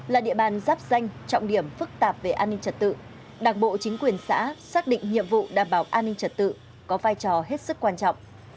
là địa bàn giáp danh trọng điểm phức tạp về an ninh trật tự đảng bộ chính quyền xã xác định nhiệm vụ đảm bảo an ninh trật tự có vai trò hết sức quan trọng